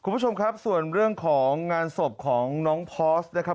คุณผู้ชมครับส่วนเรื่องของงานศพของน้องพอร์สนะครับ